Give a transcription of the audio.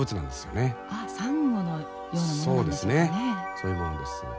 そういうものです。